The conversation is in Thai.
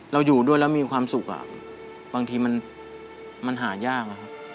เราอยู่ด้วยแล้วมีความสุขบางทีมันหายากอะครับ